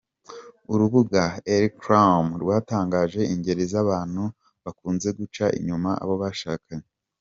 Urubuga elcrema rwatangaje ingeri z’abantu bakunze guca inyuma abo bashakanye.